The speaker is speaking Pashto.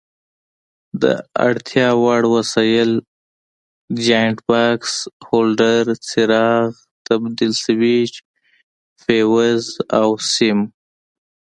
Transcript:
د اړتیا وړ وسایل: جاینټ بکس، هولډر، څراغ، تبدیل سویچ، فیوز او سیم.